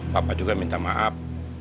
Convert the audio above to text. papa juga minta maaf